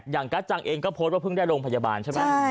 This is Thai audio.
กัจจังเองก็โพสต์ว่าเพิ่งได้โรงพยาบาลใช่ไหม